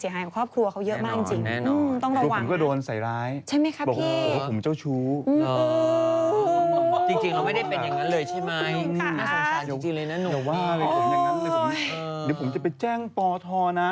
ถามผลประเภนภาษีชีวิต